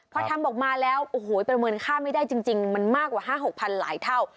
พอทำออกมาแล้วโอ้โหประเมินค่าไม่ได้จริงมันมากกว่า๕๖๐๐หลายเท่า